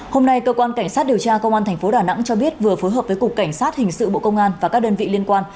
hôm nay cơ quan cảnh sát điều tra công an tp đà nẵng cho biết vừa phối hợp với cục cảnh sát hình sự bộ công an và các đơn vị liên quan